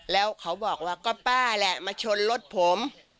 แล้วเขาบอกว่าก็ป้าแหละมาชนรถผม